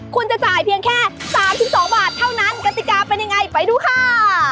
คุณจะจ่ายเพียงแค่๓๒บาทเท่านั้นกติกาเป็นยังไงไปดูค่ะ